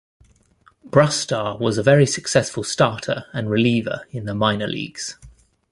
Brusstar was a very successful starter and reliever in the minor leagues.